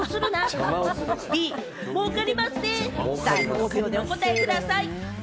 ５秒でお答えください。